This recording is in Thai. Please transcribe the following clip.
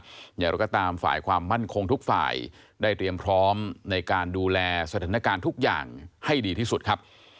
อย่างไรก็ตามฝ่ายความมั่นคงทุกฝ่ายได้เตรียมพร้อมในการดูแลสถานการณ์ทุกอย่างให้ดีที่สุดครับ